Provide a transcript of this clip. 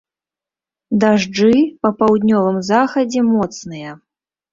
Дажджы, па паўднёвым захадзе моцныя.